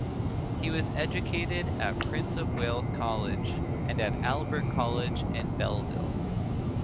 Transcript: He was educated at Prince of Wales College and at Albert College in Belleville.